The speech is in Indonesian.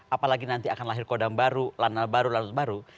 apalagi nanti akan lahir kodam baru lanal baru lanut baru